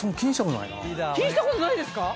気にしたことないですか